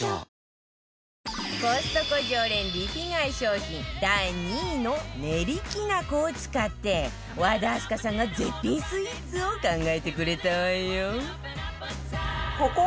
コストコ常連リピ買い商品第２位のねりきなこを使って和田明日香さんが絶品スイーツを考えてくれたわよ